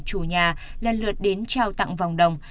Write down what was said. chủ nhà lần lượt đến trao tặng vòng đồng